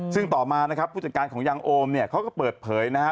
ซึ่งต่อมานะครับผู้จัดการของยางโอมเนี่ยเขาก็เปิดเผยนะฮะ